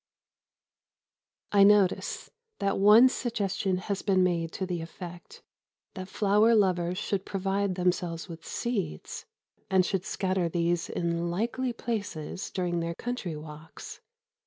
I notice that one suggestion has been made to the effect that flower lovers should provide themselves with seeds and should scatter these in "likely places" during their country walks.